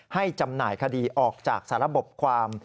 จำหน่ายคดีออกจากสารบความ